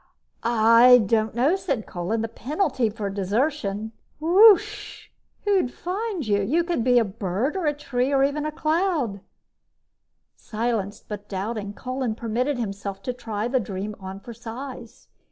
"I don't know," said Kolin. "The penalty for desertion " "Whoosh! Who'd find you? You could be a bird, a tree, even a cloud." Silenced but doubting, Kolin permitted himself to try the dream on for size.